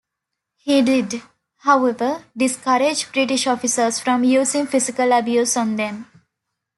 He did, however, discourage British officers from using physical abuse on them.